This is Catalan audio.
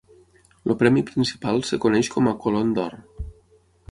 El premi principal es coneix com a Colón d'Or.